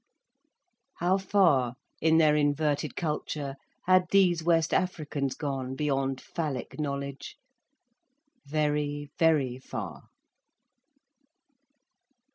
How far, in their inverted culture, had these West Africans gone beyond phallic knowledge? Very, very far.